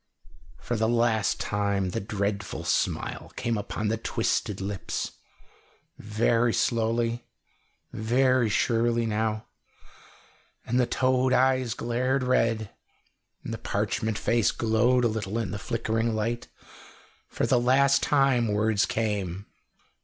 For the last time the dreadful smile came upon the twisted lips, very slowly, very surely now, and the toad eyes glared red, and the parchment face glowed a little in the flickering light. For the last time words came.